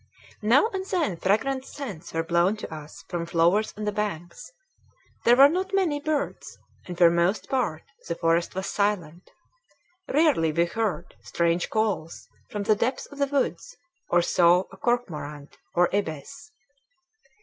Now and then fragrant scents were blown to us from flowers on the banks. There were not many birds, and for the most part the forest was silent; rarely we heard strange calls from the depths of the woods, or saw a cormorant or ibis.